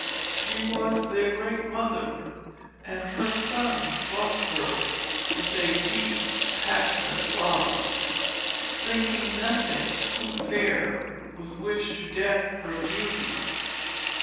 She was their great mother, and her sons loved her with a deep, passionate love, thinking nothing too fair with which to deck her beauty.